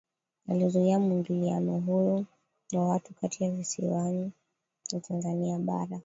Alizuia mwingiliano huru wa watu kati ya Visiwani na Tanzania Bara